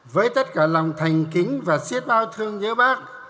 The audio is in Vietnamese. với tất cả lòng thành kính và siết bao thương nhớ bác